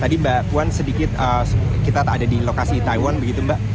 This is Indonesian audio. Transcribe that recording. tadi mbak puan sedikit kita ada di lokasi taiwan begitu mbak